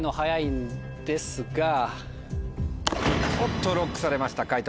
おっとＬＯＣＫされました解答